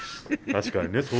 確かにね